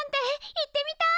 行ってみたい！